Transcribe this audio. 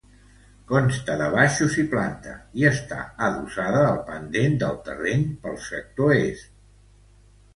Consta de baixos i planta i està adossada al pendent del terreny pel sector Est.